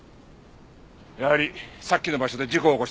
やはりさっきの場所で事故を起こしたんだ。